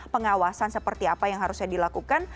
pengawasan seperti apa yang harusnya dilakukan